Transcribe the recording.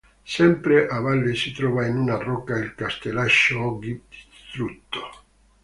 Sempre a valle si trova in una rocca il castellaccio oggi distrutto.